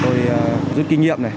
tôi rút kinh nghiệm